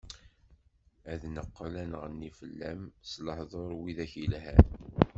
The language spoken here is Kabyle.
Ad neqqel ad nɣenni fell-am, s lehduṛ wid-ak yelhan.